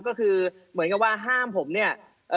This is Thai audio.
ก็คือเหมือนกับว่าห้ามผมเนี่ย